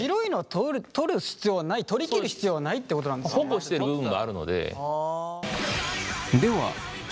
保護してる部分もあるので。